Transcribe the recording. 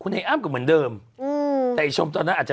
คุณให้อ้ามก็เหมือนเดิมแต่ชมตอนนั้นอาจจะ